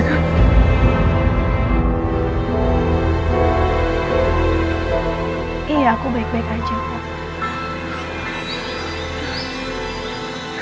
iya aku baik baik saja pak